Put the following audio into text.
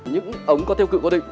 những ống có tiêu cựu cố định